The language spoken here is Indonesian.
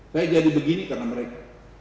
saya jadi begini karena mereka